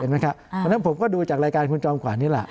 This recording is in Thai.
เพราะฉะนั้นผมก็ดูจากรายการคุณจอมขวานนี่แหละ